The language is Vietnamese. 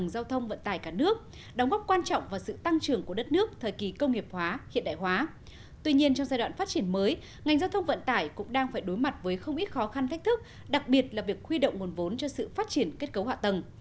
giao thông vận tải cũng đang phải đối mặt với không ít khó khăn thách thức đặc biệt là việc khuy động nguồn vốn cho sự phát triển kết cấu hạ tầng